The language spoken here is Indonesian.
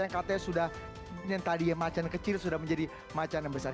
yang katanya sudah tadi ya macanan kecil sudah menjadi macanan besar